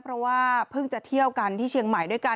เพราะว่าเพิ่งจะเที่ยวกันที่เชียงใหม่ด้วยกัน